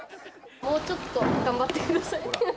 もうちょっと頑張ってください。